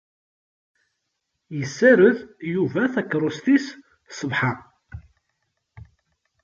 Yessareḍ Yuba Takeṛṛust-is ṣṣbeḥ-a.